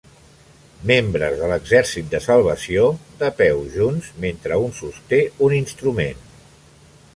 Membres de l'exèrcit de salvació de peu junts mentre un sosté un instrument.